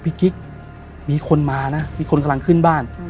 กิ๊กมีคนมานะมีคนกำลังขึ้นบ้าน